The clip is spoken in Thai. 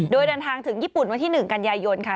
โดยเดินทางถึงญี่ปุ่นวันที่๑กันยายนค่ะ